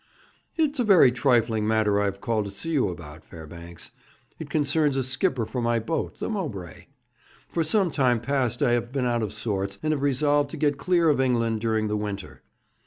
'It is a very trifling matter I have called to see you about, Fairbanks. It concerns a skipper for my boat, the Mowbray. For some time past I have been out of sorts, and have resolved to get clear of England during the winter.